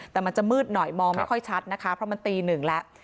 แต่มันจะมืดหน่อยมองไม่ค่อยชัดนะคะเพราะมันตีหนึ่งแล้ว